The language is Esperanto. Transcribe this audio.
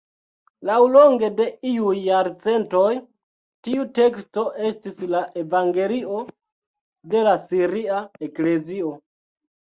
Laŭlonge de iuj jarcentoj tiu teksto estis la evangelio de la siria eklezio.